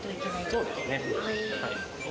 そうですね。